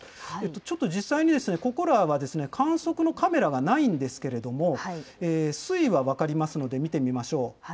ちょっと実際に、ここらは観測のカメラがないんですけれども、水位は分かりますので見てみましょう。